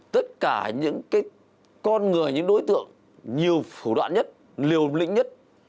tất cả những con người những đối tượng nhiều thủ đoạn nhất liều lĩnh nhất